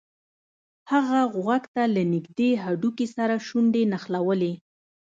هغه غوږ ته له نږدې هډوکي سره شونډې نښلولې